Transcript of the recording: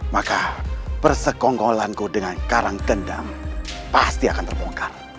maka persekonggolanku dengan karangkendang pasti akan terbongkar